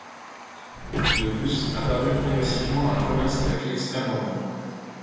De plus apparut progressivement un commerce avec l'Extrême-Orient.